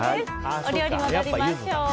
お料理戻りましょう。